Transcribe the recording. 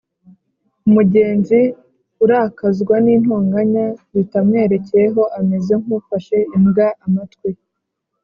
umugenzi urakazwa n’intonganya zitamwerekeyeho, ameze nk’ufashe imbwa amatwi